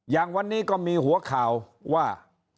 อย่างวันนี้ก็มีหัวข่าวว่า